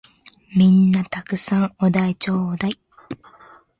皆んな沢山お題ちょーだい！